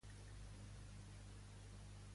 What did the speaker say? Per què ha substituït a Lafazanis?